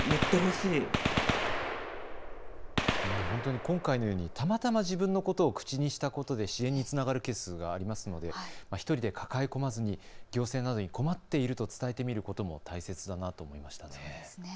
ほんとに今回のようにたまたま自分のことを口にしたことで支援につながるケースがありますので、ひとりで抱え込まずに行政などに困っていると伝えてみることも大切だなと思いました。